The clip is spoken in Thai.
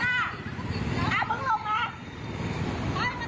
ก็ไม่มีคนเข้ามาไม่มีคนเข้ามา